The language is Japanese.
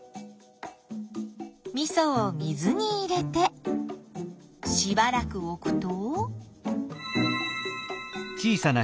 みそを水に入れてしばらく置くと。